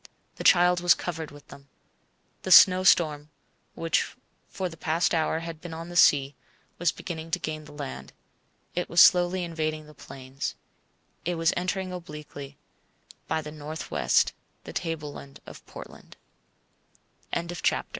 The child was covered with them. The snowstorm, which for the last hour had been on the sea, was beginning to gain the land. It was slowly invading the plains. It was entering obliquely, by the north west, the tableland of Portland. BOOK THE SECOND. THE HOOKER AT SEA. CHAPTER I.